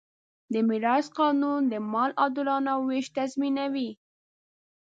د میراث قانون د مال عادلانه وېش تضمینوي.